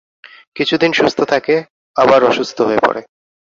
কিছুদিন সুস্থ থাকে, আবার অসুস্থ হয়ে পড়ে।